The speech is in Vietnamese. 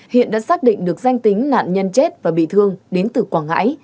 hiện đã xác định được danh tính nạn nhân chết và bị thương đến từ quảng ngãi